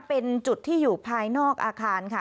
เป็นจุดที่อยู่ภายนอกอาคารค่ะ